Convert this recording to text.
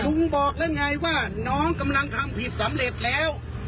บอกแล้วไงว่าน้องกำลังทำผิดสำเร็จแล้ว